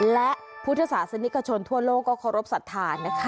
และพุทธศาสนิกชนทั่วโลกก็เคารพสัทธานะคะ